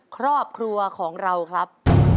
ครอบครัวของเราครับ